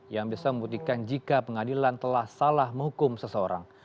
yang bisa membuktikan jika pengadilan telah salah menghukum seseorang